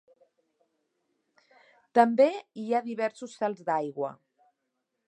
També hi ha diversos salts d'aigua.